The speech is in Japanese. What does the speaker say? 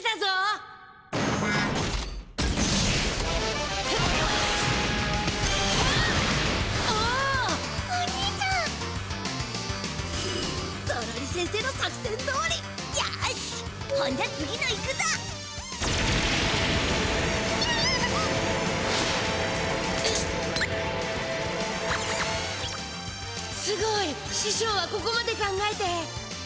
すごい。ししょうはここまで考えて。